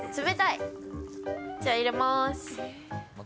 じゃあ、入れます。